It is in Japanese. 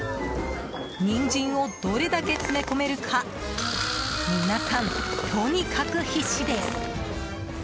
ニンジンをどれだけ詰め込めるか皆さん、とにかく必死です。